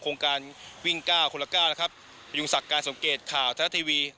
โครงการวิ่งเก้าคนละเก้านะครับพยุงศักดิ์การสมเกตข่าวทะละทีวี